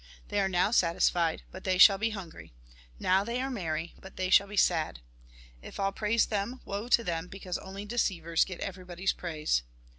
They are now satisfied ; but they shall be hungry. Now they are merry ; but they shall be sad. If all praise them, woe to them, because only deceivers get everybody's praise.